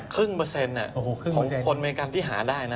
๓๐ของอเมริกาได้นะ